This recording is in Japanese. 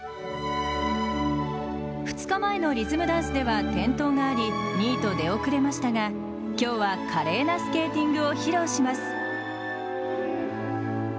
２日前のリズムダンスでは転倒があり２位と出遅れましたが今日は華麗なスケーティングを披露します。